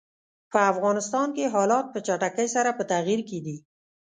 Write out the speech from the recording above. په افغانستان کې حالات په چټکۍ سره په تغییر کې دي.